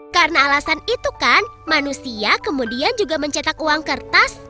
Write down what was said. karena alasan itu kan manusia kemudian juga mencetak uang kertas